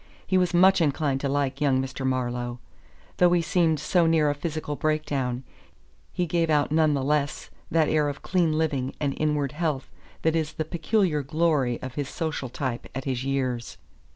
He was much inclined to like young Mr. Marlowe. Though he seemed so near a physical break down, he gave out none the less that air of clean living and inward health that is the peculiar glory of his social type at his years.